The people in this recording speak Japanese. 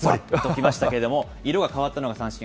きましたけれども、色が変わったのが三振。